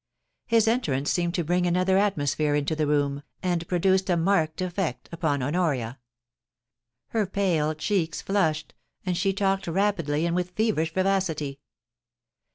His entrance seemed to bring another atmosphere into the room, and produced a marked effect upon Honoria. Her pale cheeks flushed, and she talked rapidly and with feverish vivacity.